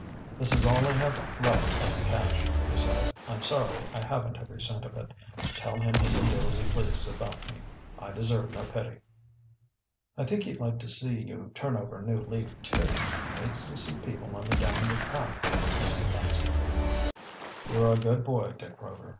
"That is all I have left of the cash," he said. "I'm sorry I haven't every cent of it. Tell him he can do as he pleases about me. I deserve no pity." "I think he'd like to see you turn over a new leaf, too. He hates to see people on the downward path, Mr. Baxter." "You are a good boy, Dick Rover.